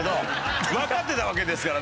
わかってたわけですからね。